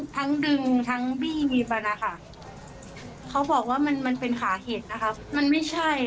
ผมต้องพักไปก่อนนะคะซุ๊ดสิ